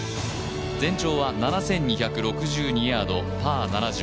全長は７２６２ヤード、パー７０。